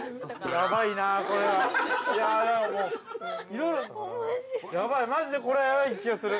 やばい、これはマジでやばい気がする。